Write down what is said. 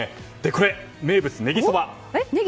これ、名物ねぎそば。